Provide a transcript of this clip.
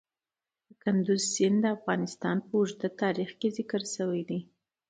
کندز سیند د افغانستان په اوږده تاریخ کې ذکر شوی دی.